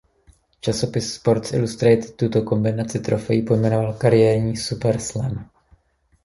Časopis "Sports Illustrated" tuto kombinaci trofejí pojmenoval „kariérní Super Slam“.